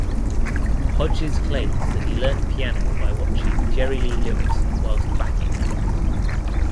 Hodges claims that he learnt piano by watching Jerry Lee Lewis whilst backing him.